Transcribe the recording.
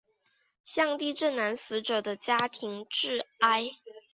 向地震男死者的家庭致哀。